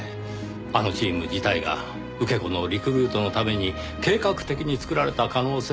あのチーム自体が受け子のリクルートのために計画的に作られた可能性が高い。